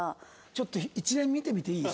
ちょっと一連見てみていい？